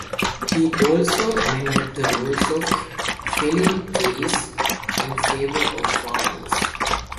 He also amended the rules of felling trees in favour of farmers.